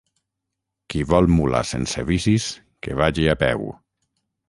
Qui vol mula sense vicis, que vagi a peu.